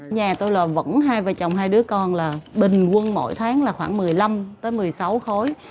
nhà tôi là vẫn hai vợ chồng hai đứa con là bình quân mỗi tháng là khoảng một mươi năm một mươi sáu khối